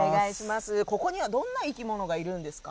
ここにはどんな生き物がいるんですか？